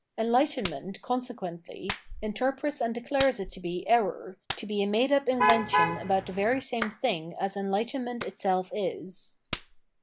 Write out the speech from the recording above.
* Enlightenment, consequently, interprets and declares it to be error, to be a made up invention about the very same thing as enlightenment itself is.